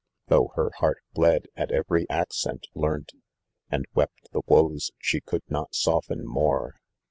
Though her heart bled at every accent, leamt And wept the woes she could not soften more.